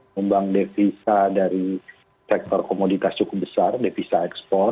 membang defisa dari sektor komoditas cukup besar defisa ekspor